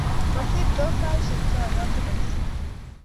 Mosirtoii saishe che ayote boisie.